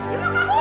yu mau kabur